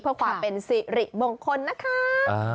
เพื่อความเป็นสิริมงคลนะคะ